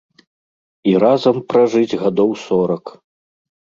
І разам пражыць гадоў сорак!